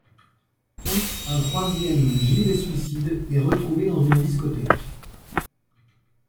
Un troisième gilet-suicide est retrouvé dans une discothèque.